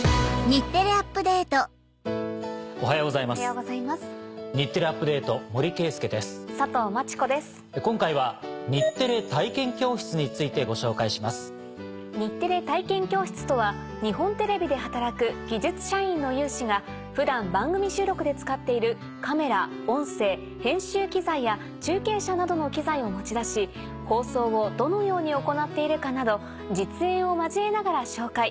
「日テレ体験教室」とは日本テレビで働く技術社員の有志が普段番組収録で使っているカメラ音声編集機材や中継車などの機材を持ち出し放送をどのように行っているかなど実演を交えながら紹介。